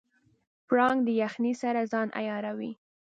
پړانګ د یخنۍ سره ځان عیاروي.